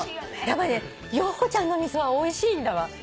やっぱりねヨウコちゃんの味噌はおいしいんだわ。